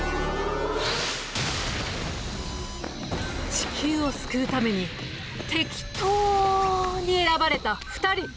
地球を救うためにてきとうに選ばれた２人。